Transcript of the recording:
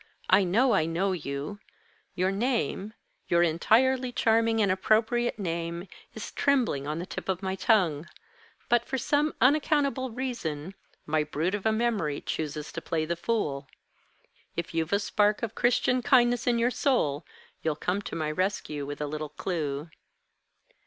I know I know you. Your name, your entirely charming and appropriate name, is trembling on the tip of my tongue. But, for some unaccountable reason, my brute of a memory chooses to play the fool. If you've a spark of Christian kindness in your soul, you'll come to my rescue with a little clue."